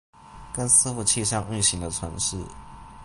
跟伺服器上運行的程式